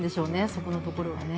そこのところがね。